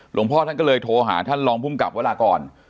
หลวงพ่อท่านก็เลยโทรหาท่านรองภูมิกับวรากร